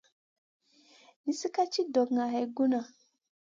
Nizi ka ci ɗokŋa hay guna.